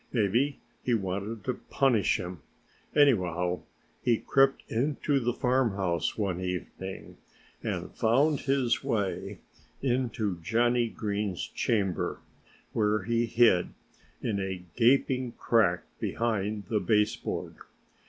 Maybe he wanted to punish him. Anyhow, he crept into the farmhouse one evening and found his way into Johnnie Green's chamber, where he hid in a gaping crack behind the baseboard.